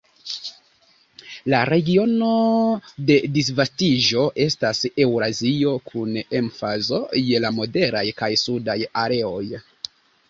La regiono de disvastiĝo estas Eŭrazio, kun emfazo je la moderaj kaj sudaj areoj.